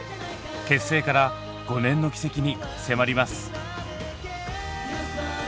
結成から５年の軌跡に迫ります。